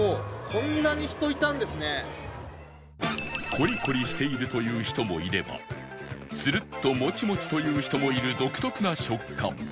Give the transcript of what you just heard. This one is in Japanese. コリコリしているという人もいればツルッとモチモチという人もいる独特な食感